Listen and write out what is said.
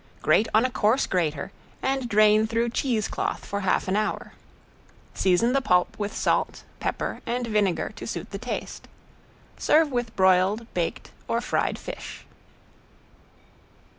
Grate on a coarse grater and drain through cheese cloth for half an hour. Season the pulp with salt, pepper and vinegar to suit the taste. Serve with broiled, baked or fried fish.